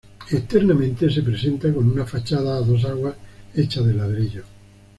Externamente se presenta con una fachada a dos aguas hecha de ladrillo.